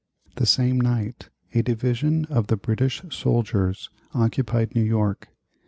This same night a division of the British soldiers occupied New York.